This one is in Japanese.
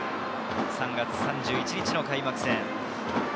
３月３１日の開幕戦。